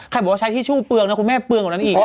บอกว่าใช้ทิชชู่เปลืองนะคุณแม่เปลืองกว่านั้นอีก